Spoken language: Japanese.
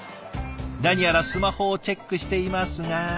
何やらスマホをチェックしていますが。